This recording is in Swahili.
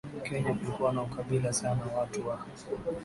Kenya kulikuwa na ukabila sana Watu wa